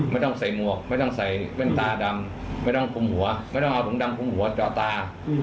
ไม่ต้องใส่หมวกไม่ต้องใส่แว่นตาดำไม่ต้องคุมหัวไม่ต้องเอาถุงดำคุมหัวเจาะตา